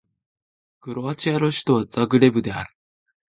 クロアチアの首都はザグレブである